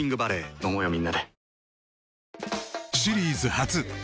飲もうよみんなで。